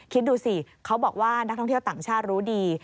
คิดดูสิเขาบอกว่านักท่องเที่ยวต่างชาติรู้ดี